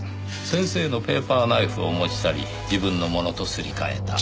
先生のペーパーナイフを持ち去り自分のものとすり替えた。